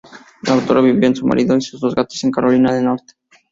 La autora vivió con su marido y sus dos gatos en Carolina del norte.